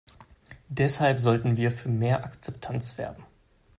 Deshalb sollten wir für mehr Akzeptanz werben.